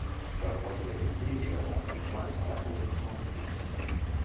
Leur prospérité et leur embonpoint sont l’appauvrissement du pays.